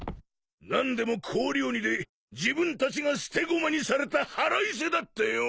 なんでも氷鬼で自分たちが捨て駒にされた腹いせだってよ。